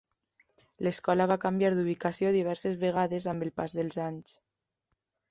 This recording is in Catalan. L'escola va canviar d'ubicació diverses vegades amb el pas dels anys.